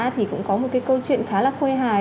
thì cũng có một cái câu chuyện khá là khuê hài